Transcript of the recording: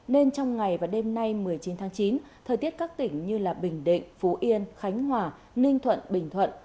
nên trong ngày và đêm nay một mươi chín tháng chín thời tiết các tỉnh như bình định phú yên khánh hòa ninh thuận bình thuận